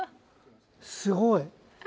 すごい。